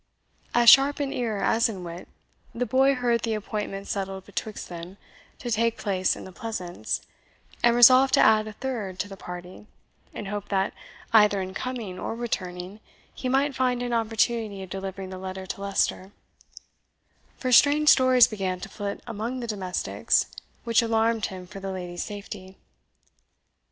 As sharp in ear as in wit, the boy heard the appointment settled betwixt them, to take place in the Pleasance, and resolved to add a third to the party, in hope that, either in coming or returning, he might find an opportunity of delivering the letter to Leicester; for strange stories began to flit among the domestics, which alarmed him for the lady's safety.